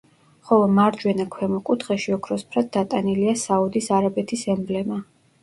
ხოლო მარჯვენა ქვემო კუთხეში ოქროსფრად დატანილია საუდის არაბეთის ემბლემა.